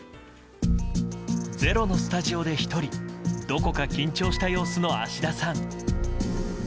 「ｚｅｒｏ」のスタジオで１人どこか緊張した様子の芦田さん。